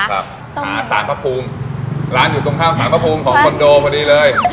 หาสารพระภูมิร้านอยู่ตรงข้ามสารพระภูมิของคอนโดพอดีเลย